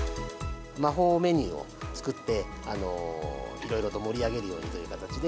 魔法メニューを作って、いろいろと盛り上げるようにという形で。